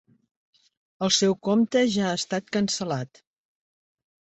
El seu compte ja ha estat cancel·lat.